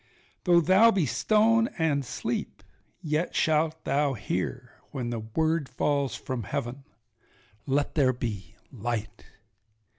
Though thou be stone and sleep, yet shalt thou hear When the word falls from heaven—Let there be light.